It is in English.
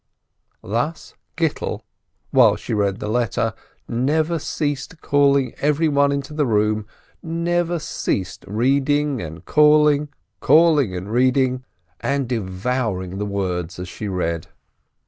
Thus Gittel, while she read the letter, never ceased calling every one into the room, never ceased reading and calling, calling and reading, and devouring the words as she read.